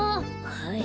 はい。